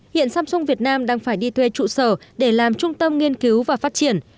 hiện samsung việt nam đang phải đi thuê trụ sở để làm trung tâm nghiên cứu và phát triển